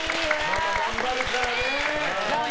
ママ頑張るからね。